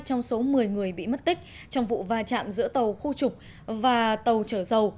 trong số một mươi người bị mất tích trong vụ va chạm giữa tàu khu trục và tàu chở dầu